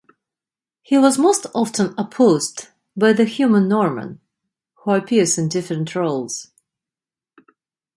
He was most often opposed by the human Norman who appears in different roles.